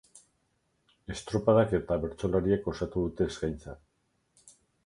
Estropadak eta bertsolariek osatuko dute eskaintza.